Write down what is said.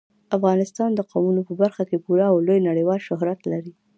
افغانستان د قومونه په برخه کې پوره او لوی نړیوال شهرت لري.